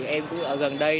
em cũng ở gần đây